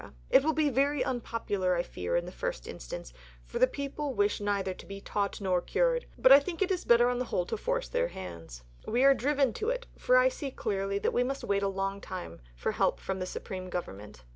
It will be very unpopular I fear in the first instance, for the people wish neither to be taught nor cured, but I think it is better on the whole to force their hands. We are driven to it, for I see clearly that we must wait a long time for help from the Supreme Government....